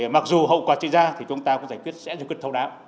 mặc dù hậu quả xảy ra thì chúng ta cũng giải quyết sẽ giải quyết thâu đám